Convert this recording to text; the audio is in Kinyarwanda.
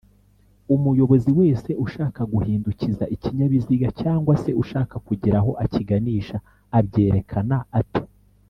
umuyobozi wese ushaka guhindukiza ikinyabiziga cg se ushaka kugira aho akiganisha abyerekana ate